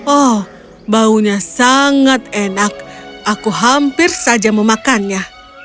oh baunya sangat enak aku hampir saja memakannya